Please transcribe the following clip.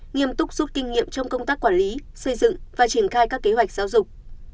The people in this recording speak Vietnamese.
nghiêm túc rút kinh nghiệm trong công tác quản lý xây dựng và triển khai các kế hoạch giáo dục